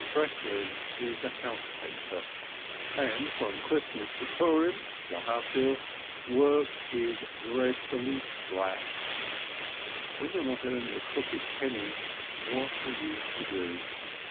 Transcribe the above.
Breklin is a house painter, and from Christmas to Purim (I beg to distinguish!) work is dreadfully slack. When you're not earning a crooked penny, what are you to do?